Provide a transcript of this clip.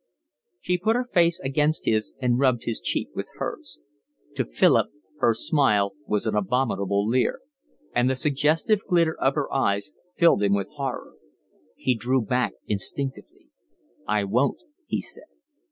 She put her face against his and rubbed his cheek with hers. To Philip her smile was an abominable leer, and the suggestive glitter of her eyes filled him with horror. He drew back instinctively. "I won't," he said.